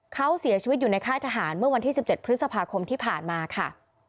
เขาเสียชีวิตอยู่ในค่ายทหารเมื่อวันที่๑๗พฤษภาคมที่ผ่านมาค่ะ